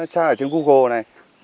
chat ở trên google này